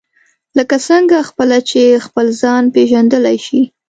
لکه څنګه خپله چې خپل ځان پېژندلای شئ.